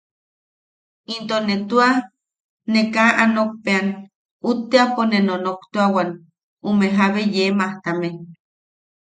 Into ne tua... ne kaa a nokpean, utteʼapo ne nonoktuan ume jabe yee majtame.